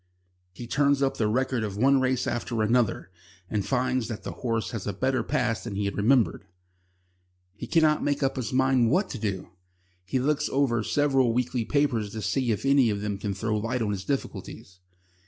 He turns up the record of one race after another, and finds that the horse has a better past than he had remembered. He cannot make up his mind what to do. He looks over several weekly papers to see if any of them can throw light on his difficulties.